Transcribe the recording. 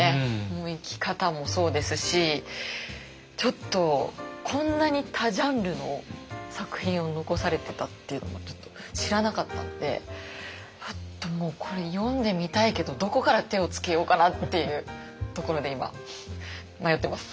もう生き方もそうですしちょっとこんなに多ジャンルの作品を残されてたっていうのもちょっと知らなかったのでもうこれ読んでみたいけどどこから手をつけようかなっていうところで今迷ってます。